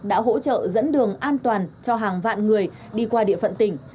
đã hỗ trợ dẫn đường an toàn cho hàng vạn người đi qua địa phận tỉnh